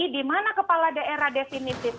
dimana kepala daerah definitif